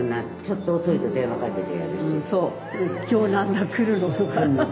今日何だ来るの？とか。